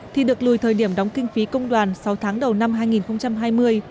thì được lùi thời điểm đóng kinh phí công đoàn sáu tháng đầu năm hai nghìn hai mươi